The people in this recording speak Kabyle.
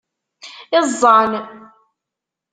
Iẓẓan.